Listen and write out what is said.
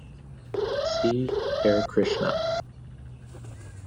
See: Hare Krishna.